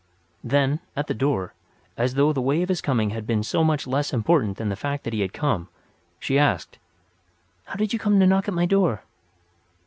Then, at the door, as though the way of his coming had been so much less important than the fact that he had come, she asked: "How did you come to knock at my door?"